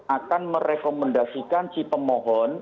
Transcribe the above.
akan merekomendasikan si pemohon